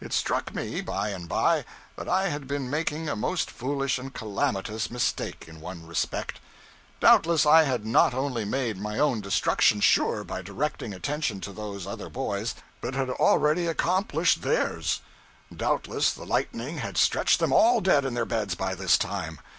It struck me, by and by, that I had been making a most foolish and calamitous mistake, in one respect: doubtless I had not only made my own destruction sure by directing attention to those other boys, but had already accomplished theirs! Doubtless the lightning had stretched them all dead in their beds by this time!